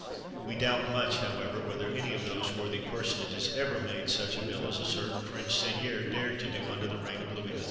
We doubt much, however, whether any of those worthy personages ever made such a bill as a certain French seigneur dared to do under the reign of Louis XIII.